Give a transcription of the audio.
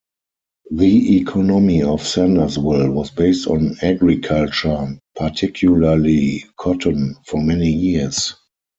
The economy of Sandersville was based on agriculture, particularly cotton, for many years.